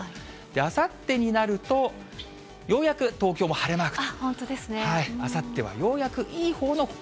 あさってになると、ようやく東京も晴れマークと。